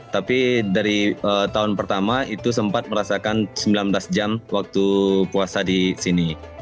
tapi dari tahun pertama itu sempat merasakan sembilan belas jam waktu puasa di sini